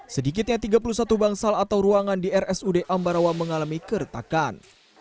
sedikitnya tiga puluh satu bangsal atau ruangan di rsud ambarawa mengalami keretakan